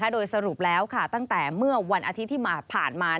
โดยสรุปแล้วตั้งแต่เมื่อวันอาทิตย์ที่ผ่านมา